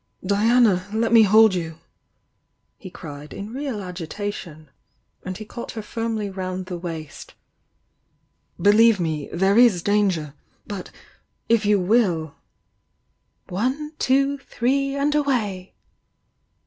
"Diana! Let me hold you!" he cried, in real agi tation — and he caught her firmly round the waist — THE YOUNG DIANA 177 "Believe me— there is danger! But— if you wiU " "One, two, three, and away!"